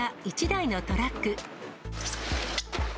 １台のトラック。